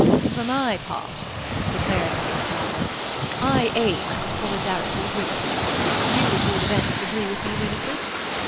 "For my part," declared Mrs. Smallbrook, "I aim at the solidarity of woman. You, at all events, agree with me, Winifred?"